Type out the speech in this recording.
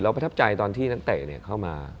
ประทับใจตอนที่นักเตะเข้ามา